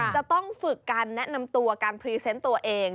จะต้องฝึกการแนะนำตัวการพรีเซนต์ตัวเอง